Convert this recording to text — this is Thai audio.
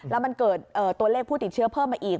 แล้วมันเกิดตัวเลขผู้ติดเชื้อเพิ่มมาอีก